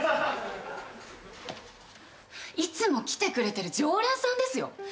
いつも来てくれてる常連さんですよ。